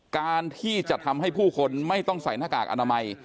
การที่จะทำให้ผู้คนไม่ต้องใส่หน้ากากอนามัย